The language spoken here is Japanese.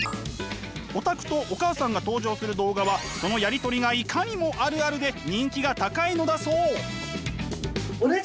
オタクとお母さんが登場する動画はそのやり取りがいかにもあるあるで人気が高いのだそう！